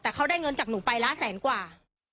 แต่เขาได้เงินจากหนูไปละแสนกว่า